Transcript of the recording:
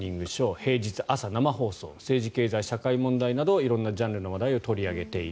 平日朝の生放送政治、経済、社会問題など色んなジャンルの話題を取り上げている。